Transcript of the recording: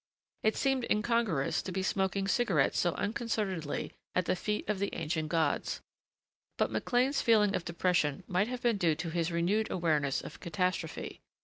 It seemed incongruous to be smoking cigarettes so unconcernedly at the feet of the ancient gods. But McLean's feeling of depression might have been due to his renewed awareness of catastrophe.